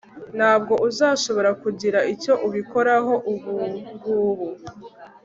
Ntabwo uzashobora kugira icyo ubikoraho ubungubu